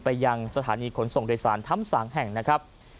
ไปยังสถานีขนส่งโดยสารทั้ง๓แห่งนะครับ